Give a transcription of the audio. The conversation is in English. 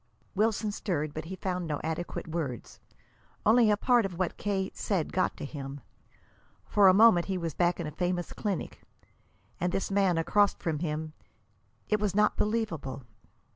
Wilson stirred, but he found no adequate words. Only a part of what K. said got to him. For a moment he was back in a famous clinic, and this man across from him it was not believable!